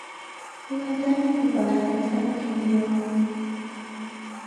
هیوادارین دووبارە بتانبینینەوە.